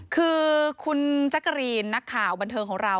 คือคุณแจ๊กกะรีนนักข่าวบันเทิงของเรา